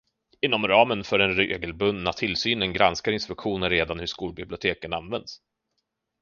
Inom ramen för den regelbundna tillsynen granskar inspektionen redan hur skolbiblioteken används.